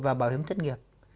và bảo hiểm thất nghiệp